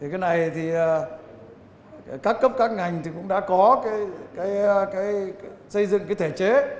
cái này các cấp các ngành cũng đã có xây dựng thể chế